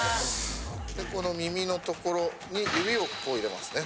でこのミミのところに指をこう入れますね。